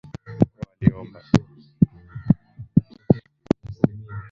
Waamini waliomba